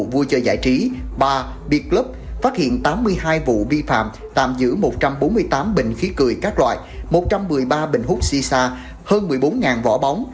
hai vụ vi phạm tạm giữ một trăm bốn mươi tám bệnh khí cười các loại một trăm một mươi ba bệnh hút xì xa hơn một mươi bốn vỏ bóng